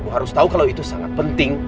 harus tahu kalau itu sangat penting